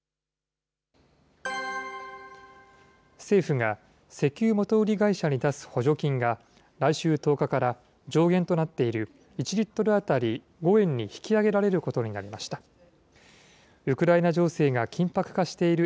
政府が石油元売り会社に出す補助金が、来週１０日から、上限となっている１リットル当たり５円に引き上げられることになりました。